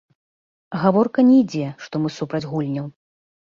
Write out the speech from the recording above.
Гаворка не ідзе, што мы супраць гульняў.